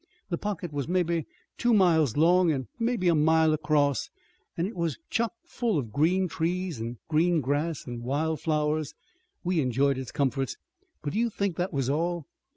The pocket was mebbe two miles long an' mebbe a mile across, an' it was chock full of green trees an' green grass, an' wild flowers. We enjoyed its comforts, but do you think that was all?